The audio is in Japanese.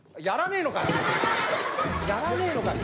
やらねえのかよ！